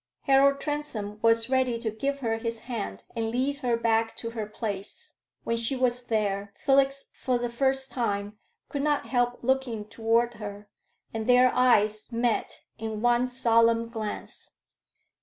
Harold Transome was ready to give her his hand and lead her back to her place. When she was there, Felix, for the first time, could not help looking toward her, and their eyes met in one solemn glance.